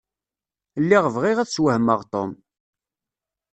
Lliɣ bɣiɣ ad sswehmeɣ Tom.